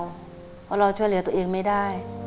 เพราะเราช่วยเหลือตัวเองไม่ได้